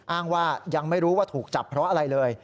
อ้างว่ายังไม่รู้ว่าถูกจับเพราะอะไรเลย